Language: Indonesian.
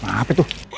wah apa tuh